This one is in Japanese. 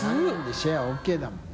シェアＯＫだもんね。